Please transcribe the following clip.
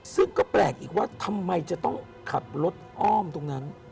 ซึ่งก็แปลกอีกว่าทำไมจะต้องขับรถอ้อมตรงนั้น